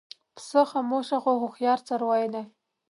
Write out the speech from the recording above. پسه خاموش خو هوښیار څاروی دی.